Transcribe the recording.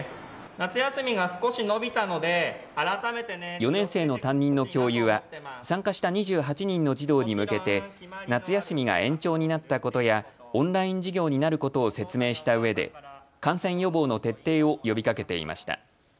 ４年生の担任の教諭は参加した２８人の児童に向けて夏休みが延長になったことやオンライン授業になることを説明したうえで感染予防の徹底を呼びかけていました。